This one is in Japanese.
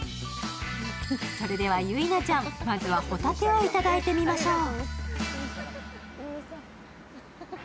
それでは、ゆいなちゃん、まずはほたてをいただいてみましょう。